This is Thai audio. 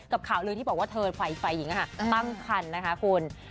กับข่าวลืนที่บอกว่าเธอไฟเองค่ะตั้งคันนะฮะคุณ